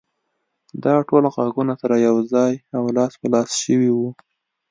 دا ټول غږونه سره يو ځای او لاس په لاس شوي وو.